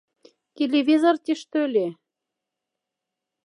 Телевизорти, што ли?